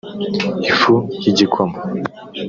ifu y’igikoma